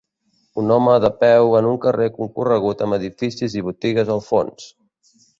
Un home de peu en un carrer concorregut amb edificis i botigues al fons.